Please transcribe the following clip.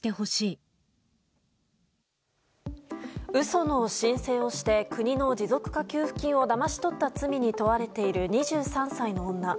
嘘の申請をして国の持続化給付金をだまし取った罪に問われている２３歳の女。